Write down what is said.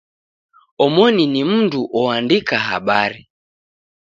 Omoni ni mndu oandika habari.